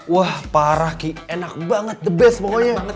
wah parah ki enak banget the best pokoknya